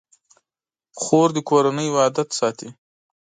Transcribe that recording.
خور د کورنۍ وحدت ساتي.